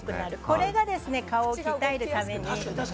これが顔を鍛えるために。